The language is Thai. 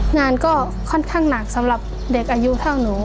งานก็ค่อนข้างหนักสำหรับเด็กอายุเท่าหนู